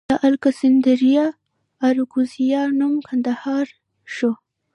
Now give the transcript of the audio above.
د الکسندریه اراکوزیا نوم کندهار شو